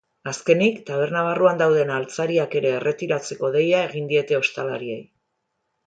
Azkenik, taberna barruan dauden altzariak ere erretiratzeko deia egin diete ostalariei.